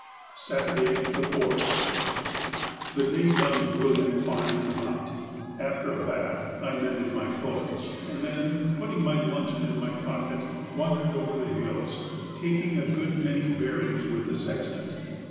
Saturday, the 4th.—The day dawned brilliantly fine and hot. After a bathe I mended my clothes, and then, putting my luncheon in my pocket, wandered over the hills, taking a good many bearings with the sextant.